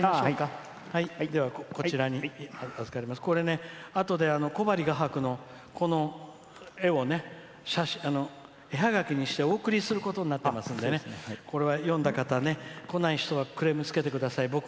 これ、あとで小針画伯のこの絵を絵ハガキにしてお送りすることになっていますのでこれは読んだ方、こない方はクレームをつけてください。